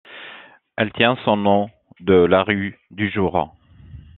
Elle tient son nom de la rue du Jour.